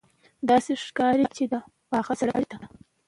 داسې ښکاري چې د پاخه سړک غاړې ته.